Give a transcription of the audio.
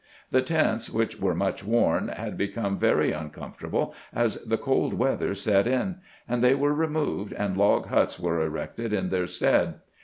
The tents, which were much worn, had become very uncomfortable as the cold weather set in; and they were removed, and log huts were erected in their stead.